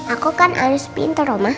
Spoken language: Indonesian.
aku kan harus pinter oma